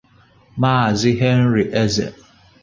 Maazị Henry Eze